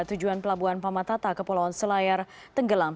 tujuan pelabuhan pamatata kepulauan selayar tenggelam